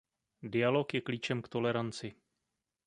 Dialog je klíčem k toleranci.